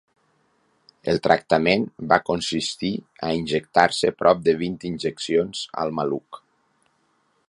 El tractament va consistir a injectar-se prop de vint injeccions al maluc.